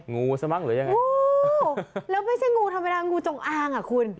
งูซะมั้งหรือยังไงโอ้แล้วไม่ใช่งูธรรมดางูจงอางอ่ะคุณ